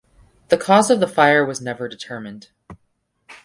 The cause of the fire was never determined.